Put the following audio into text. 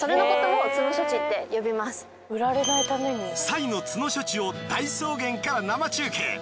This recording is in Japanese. サイの角処置を大草原から生中継。